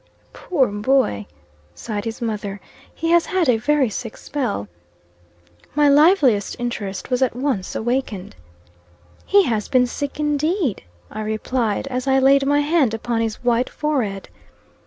"Poor boy!" sighed his mother. "He has had a very sick spell." My liveliest interest was at once awakened. "He has been sick, indeed!" I replied, as I laid my hand upon his white forehead.